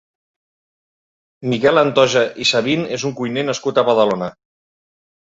Miquel Antoja i Sabin és un cuiner nascut a Badalona.